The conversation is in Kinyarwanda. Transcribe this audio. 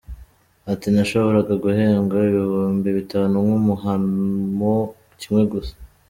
Ati “Nashoboraga guhembwa ibihumbi bitanu nkamuhamo kimwe gusa.